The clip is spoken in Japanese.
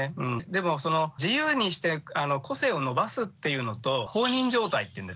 でも自由にして個性を伸ばすっていうのと放任状態っていうんですかね